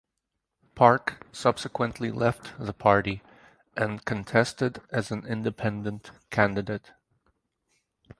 Park subsequently left the party and contested as an independent candidate.